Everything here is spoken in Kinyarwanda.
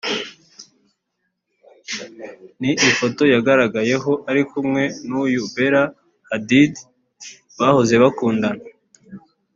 ni ifoto yagaragayeho ari kumwe n’uyu Bella Hadid bahoze bakundana